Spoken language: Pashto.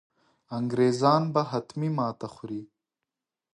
انګرېزان به حتمي ماته خوري.